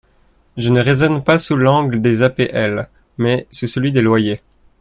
Je ne raisonne pas sous l’angle des APL mais sous celui des loyers.